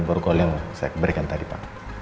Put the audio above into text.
borgol yang saya berikan tadi pak